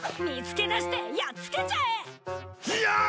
見つけ出してやっつけちゃえ！